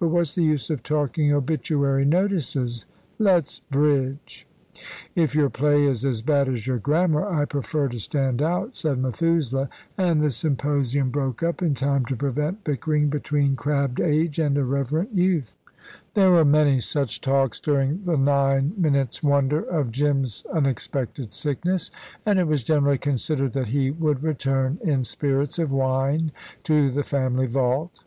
But what's the use of talking obituary notices? Let's bridge." "If your play is as bad as your grammar, I prefer to stand out," said Methuselah, and the symposium broke up, in time to prevent bickering between crabbed age and irreverent youth. There were many such talks during the nine minutes' wonder of Jim's unexpected sickness, and it was generally considered that he would return in spirits of wine to the family vault.